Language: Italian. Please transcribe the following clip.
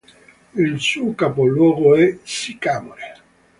Il suo capoluogo è Sycamore.